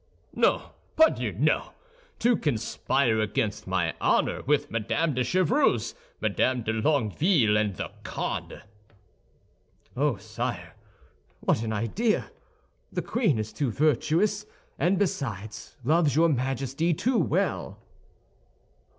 "No, pardieu, no! To conspire against my honor with Madame de Chevreuse, Madame de Longueville, and the Condés." "Oh, sire, what an idea! The queen is too virtuous; and besides, loves your Majesty too well."